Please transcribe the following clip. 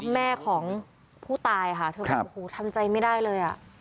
แม่ของผู้ตายค่ะเธอบอกโอ้โหทำใจไม่ได้เลยอ่ะ